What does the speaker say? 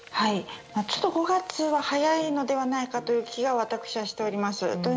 ５月は早いのではないかという気が私はしております。